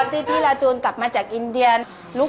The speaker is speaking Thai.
การที่บูชาเทพสามองค์มันทำให้ร้านประสบความสำเร็จ